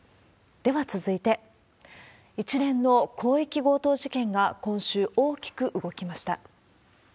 では続いて、一連の広域強盗事件が、今週、大きく動きました。